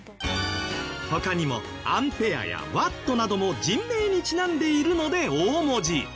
他にもアンペアやワットなども人名にちなんでいるので大文字。